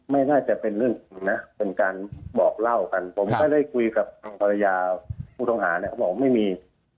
ไม่น่าจะเป็นเรื่องเป็นการเดี๋ยวกับพ่อพุทธวาก็บอกกว่าไม่มี